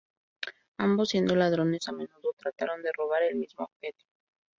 Ambos siendo ladrones, a menudo trataron de robar el mismo objeto.